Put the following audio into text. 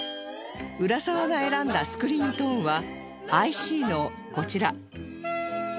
浦沢が選んだスクリーントーンはアイシーのこちら